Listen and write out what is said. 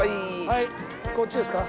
はいこっちですか？